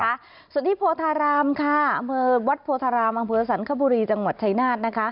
สวัสดีโพธารามค่ะวัดโพธารามอังพฤษฎร์สรรคบุรีจังหวัดชายนาฏ